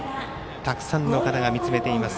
たくさんの方が見つめています。